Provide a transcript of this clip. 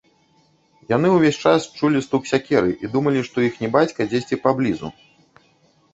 Яны ўвесь час чулі стук сякеры і думалі, што іхні бацька дзесьці паблізу